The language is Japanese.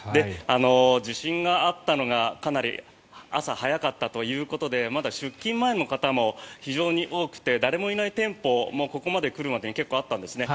地震があったのがかなり朝早かったということでまだ出勤前の方も非常に多くて誰もいない店舗もここまでに来るまで結構あったんですね。